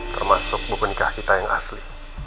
termasuk buku nikah kita yang asli